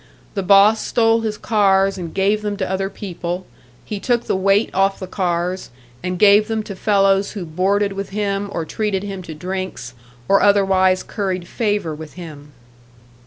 The boss stole his cars and gave them to other people; he took the weight off the cars, and gave them to fellows who boarded with him, or treated him to drinks, or otherwise curried favour with him.